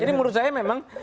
jadi menurut saya memang